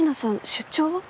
出張は？